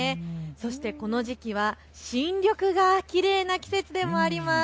そしてこの時期は新緑がきれいな季節でもあります。